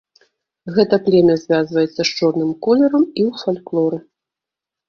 Гэта племя звязваецца з чорным колерам і ў фальклоры.